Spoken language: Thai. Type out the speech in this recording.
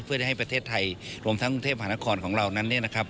เพื่อให้ประเทศไทยรวมทั้งกรุงเทพหานครของเรานั้น